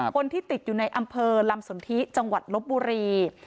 คนที่ติดอยู่ในอำเภอลำสนทิจังหวัดลบบุรี